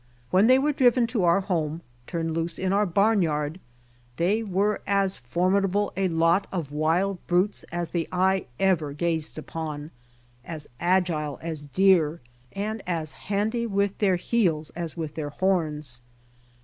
When they were driven to our home, turned loose in our barnyard, they were as formidable a lot of wild brutes as the eye ever gazed upon, as agile as deer, and as handy with their heels as with their horns.